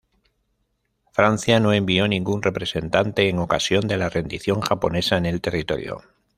Francia no envió ningún representante en ocasión de la rendición japonesa en el territorio.